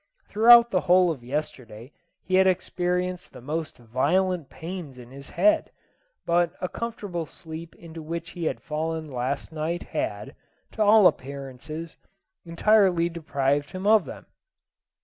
Throughout the whole of yesterday he had experienced the most violent pains in his head; but a comfortable sleep into which he had fallen last night had, to all appearances, entirely deprived him of them.